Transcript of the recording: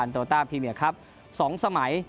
โตต้าพรีเมียครับ๒สมัย